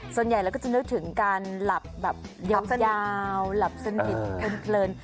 ส่วนใหญ่เราก็จะนึกถึงการหลับแบบยาวหลับสนิทเพลิน